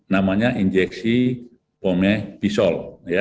namanya injeksi pomepisol